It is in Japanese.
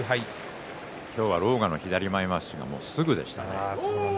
今日は狼雅の左の前まわしがすぐでしたね。